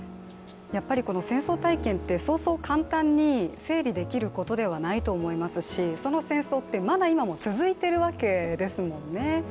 戦争体験って、そうそう簡単に整理できることではないと思いますし、その戦争ってまだ今も続いてるわけですもんね。